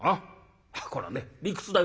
こらね理屈だよ。